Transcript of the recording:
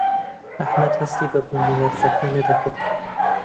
ئەحمەد هەستی بە بوومەلەرزەکە نەکرد.